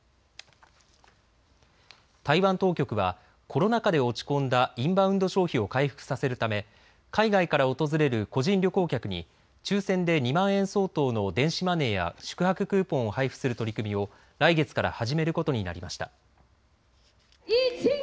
台湾当局はコロナ禍で落ち込んだインバウンド消費を回復させるため海外から訪れる個人旅行客に抽せんで２万円相当の電子マネーや宿泊クーポンを配布する取り組みを来月から始めることになりました。